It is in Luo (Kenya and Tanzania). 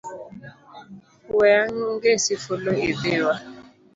We angesi fulu idhiwa